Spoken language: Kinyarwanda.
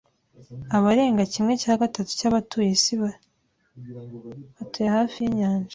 Abarenga kimwe cya gatatu cyabatuye isi batuye hafi yinyanja. (darinmex)